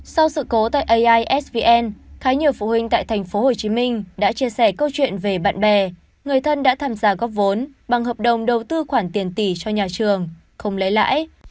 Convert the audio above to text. sau sự cố tại aisvn khá nhiều phụ huynh tại tp hcm đã chia sẻ câu chuyện về bạn bè người thân đã tham gia góp vốn bằng hợp đồng đầu tư khoản tiền tỷ cho nhà trường không lấy lãi